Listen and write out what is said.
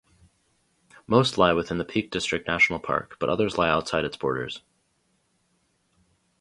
Most lie within the Peak District National Park, but others lie outside its borders.